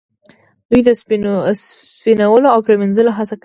دوی د سپینولو او پریمینځلو هڅه کوي.